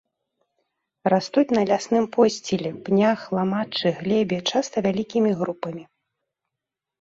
Растуць на лясным подсціле, пнях, ламаччы, глебе, часта вялікім групамі.